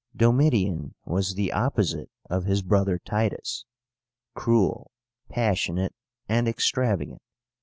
DOMITIAN was the opposite of his brother Titus, cruel, passionate, and extravagant.